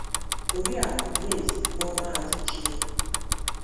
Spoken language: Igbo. Oriakụ Grace Ifeoma Adichie